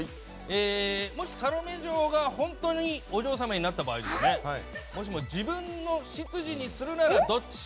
もしサロメ嬢が本当にお嬢様になった場合もしも自分の執事にするならどっち？